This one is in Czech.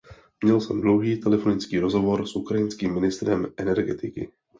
Měl jsem dlouhý telefonický rozhovor s ukrajinským ministrem energetiky.